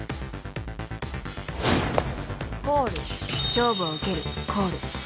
コール［勝負を受けるコール］